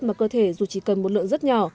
mà cơ thể dù chỉ cần một lượng rất nhỏ